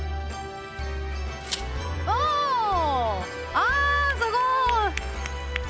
あすごい！